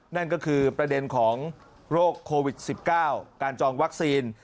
นั่นก็คือประเด็นของโรคโควิด๑๙การจองวัคซีน